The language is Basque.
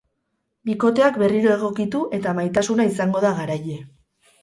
Bikoteak berriro egokitu eta maitasuna izango da garaile.